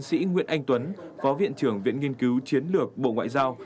sĩ nguyễn anh tuấn phó viện trưởng viện nghiên cứu chiến lược bộ ngoại giao